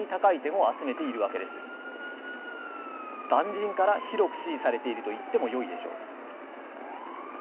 万人から広く支持されていると言ってもよいでしょう。